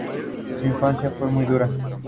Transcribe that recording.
En este tipo de escritura no se usaban ideogramas.